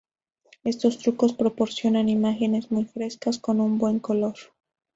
Estos trucos proporcionan imágenes muy frescas con un buen color.